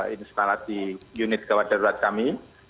instalasi unit kewajarat kami